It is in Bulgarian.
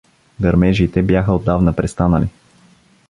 Гърмежите бяха отдавна престанали.